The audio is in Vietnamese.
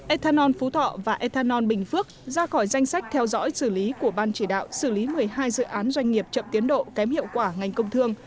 ethanol phú thọ và ethanol bình phước ra khỏi danh sách theo dõi xử lý của ban chỉ đạo xử lý một mươi hai dự án doanh nghiệp chậm tiến độ kém hiệu quả ngành công thương